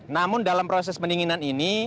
namun dalam proses pendinginan ini